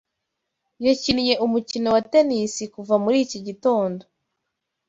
Yakinnye umukino wa tennis kuva muri iki gitondo.